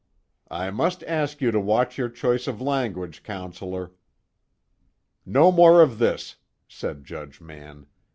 "I must ask you to watch your choice of language, Counselor." "No more of this," said Judge Mann.